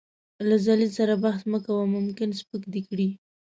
له ذليل سره بحث مه کوه ، ممکن سپک دې کړي .